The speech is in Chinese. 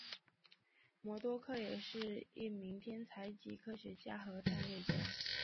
魔多客也是一名天才级科学家和战略家。